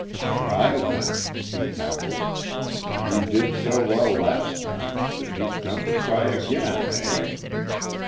"Try, then," he cackled. "You did so well last time, that you've come to try again, eh?